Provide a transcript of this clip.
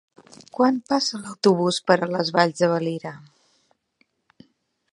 Quan passa l'autobús per les Valls de Valira?